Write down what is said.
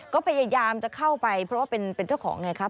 ก็พยายามจะเข้าไปเพราะว่าเป็นเจ้าของไงครับ